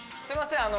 すいません